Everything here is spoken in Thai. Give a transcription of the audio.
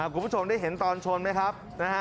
คุณผู้ชมได้เห็นตอนชนไหมครับ